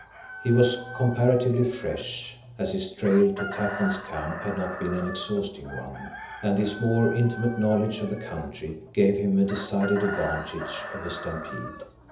He was comparatively fresh, as his trail to Tatpan's camp had not been an exhausting one, and his more intimate knowledge of the country gave him a decided advantage over Stampede.